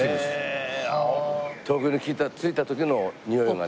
東京に着いた時のにおいがね。